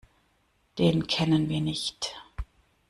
Den kennen wir nicht.